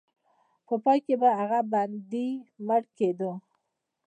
په پای کې به هغه بندي مړ کېده.